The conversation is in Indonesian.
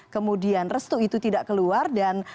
kemudian restu itu tidak keluar dan